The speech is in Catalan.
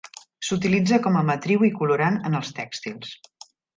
S'utilitza com a matriu i colorant en els tèxtils.